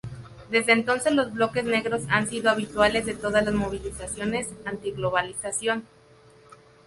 Desde entonces los bloques negros han sido habituales de todas las movilizaciones antiglobalización.